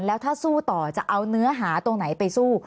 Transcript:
แล้วถ้าสู้ต่อจะเอาเนื้อหาตรงไหนไปสู้